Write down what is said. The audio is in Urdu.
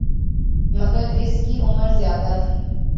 مگر اس کی عمر زیادہ تھی